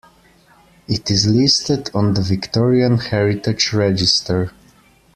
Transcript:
It is listed on the Victorian Heritage Register.